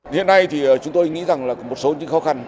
hiện nay chúng tôi nghĩ rằng có một số những khó khăn